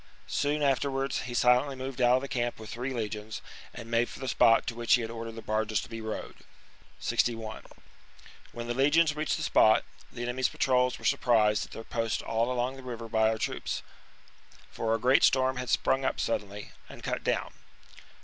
Soon afterwards he silently moved out of camp with three legions, and made for the spot to which he had ordered the barges to be rowed. 61. When the legions reached the spot, the enemy's patrols were surprised at their posts all along the river by our troops — for a great storm had sprung up suddenly — and cut down.